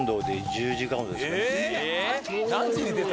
何時に出たのよ？